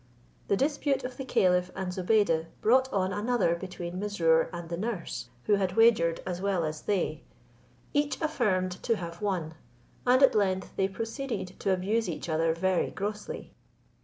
The dispute of the caliph and Zobeide brought on another between Mesrour and the nurse, who had wagered as well as they; each affirmed to have won, and at length they proceeded to abuse each other very grossly.